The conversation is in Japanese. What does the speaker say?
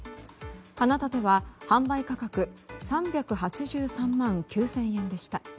花立ては販売価格３８３万９０００円でした。